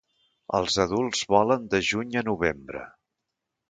Els adults volen de juny a novembre.